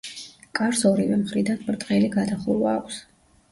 კარს ორივე მხრიდან ბრტყელი გადახურვა აქვს.